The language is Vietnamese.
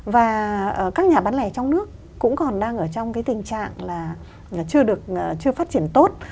và các nhà bán lẻ trong nước cũng còn đang ở trong cái tình trạng là chưa phát triển tốt